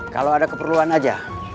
kalau ada keperluan aja